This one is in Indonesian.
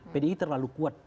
pdi terlalu kuat